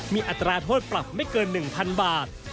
มีอัตราโทษปรับไม่เกิน๑๐๐๐บาท